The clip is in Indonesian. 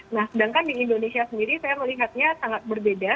nah sedangkan di indonesia sendiri saya melihatnya sangat berbeda